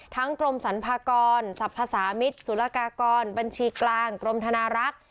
กรมสรรพากรสรรพสามิตรสุรกากรบัญชีกลางกรมธนารักษ์